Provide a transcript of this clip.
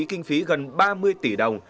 kinh phí gần ba mươi tỷ đồng